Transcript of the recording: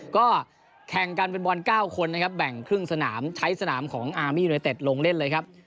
ก็แข่งกันเป็นบอล๙คนนะครับแบ่งครึ่งสนามใช้สนามของอาร์มียูเนเต็ดลงเล่นเลยครับ